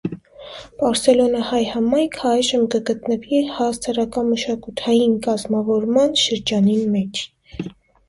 Պարսելոնահայ համայնքը այժմ կը գտնուի հասարակամշակութային կազմաւորման շրջանին մէջ։